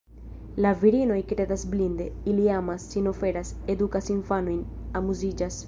La virinoj kredas blinde; ili amas, sin oferas, edukas infanojn, amuziĝas.